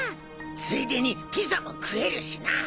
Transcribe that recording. ついでにピザも食えるしなぁ！